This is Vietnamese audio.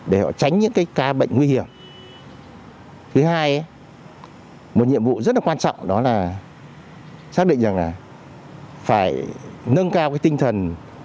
để họ tránh những cái ca bệnh nguy hiểm thứ hai một nhiệm vụ rất là quan trọng đó là xác định rằng là phải nâng cao cái tinh thần